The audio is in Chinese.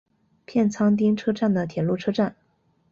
片仓町车站的铁路车站。